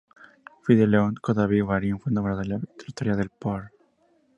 Fidel León Cadavid Marín, fue nombrado en la rectoría el Pbro.